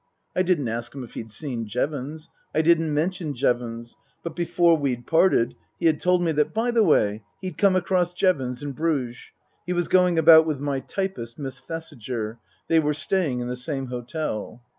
I didn't ask him if he'd seen Jevons ; I didn't mention Jevons ; but before we'd parted he had told me that, by the way, he'd come across Jevons in Bruges. He was going about with my typist, Miss Thesiger. They were staying in the same hotel.